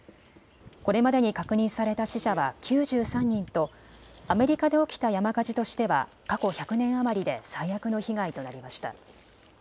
これまでに確認された死者は９３人とアメリカで起きた山火事としては過去１００年余りで最悪の被害となりました。